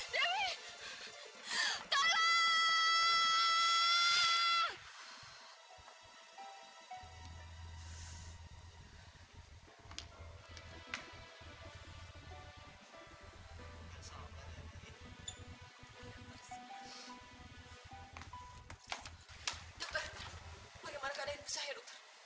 dokter bagaimana keadaan usahaya dokter